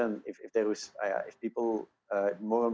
kita harus memastikan